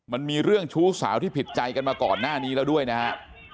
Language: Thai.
มันมีเรื่องชู้สาวที่ผิดใจกันมาก่อนหน้านี้แล้วด้วยนะฮะ